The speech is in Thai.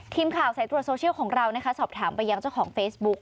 ทีมข่าวสายตรวจโซเชียลของเรานะคะสอบถามไปยังเจ้าของเฟซบุ๊ก